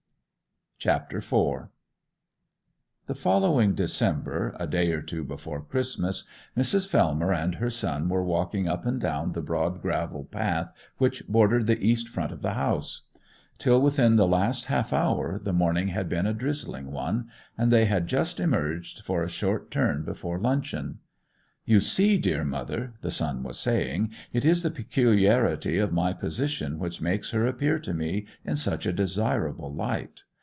CHAPTER IV The following December, a day or two before Christmas, Mrs. Fellmer and her son were walking up and down the broad gravel path which bordered the east front of the house. Till within the last half hour the morning had been a drizzling one, and they had just emerged for a short turn before luncheon. 'You see, dear mother,' the son was saying, 'it is the peculiarity of my position which makes her appear to me in such a desirable light.